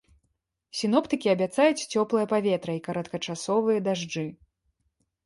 Сіноптыкі абяцаюць цёплае паветра і кароткачасовыя дажджы.